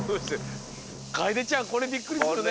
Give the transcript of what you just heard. かえでちゃんこれびっくりするね。